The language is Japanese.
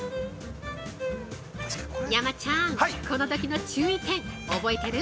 ◆山ちゃん、このときの注意点覚えてる？